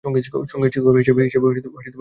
সঙ্গীত শিক্ষক হিসাবেও তিনি বিখ্যাত ছিলেন।